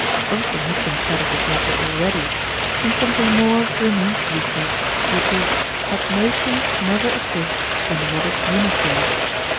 Something has been said of this matter already, and something more remains to be said, which is, that motion never exists in what is uniform.